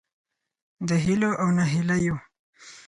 د هیلو او نهیلیو